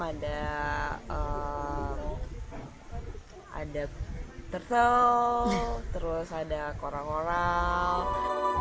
ada turtle terus ada korang korang